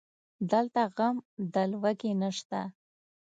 دلته غم د لوږې نشته